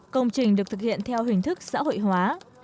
công trình được thực hiện theo hình thức xã hội hóa